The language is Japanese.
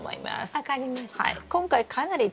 分かりました。